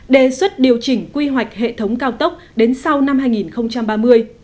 đề xuất điều chỉnh quy hoạch hệ thống cao tốc đến sau năm hai nghìn ba mươi